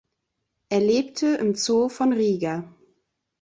Er lebte im Zoo von Riga.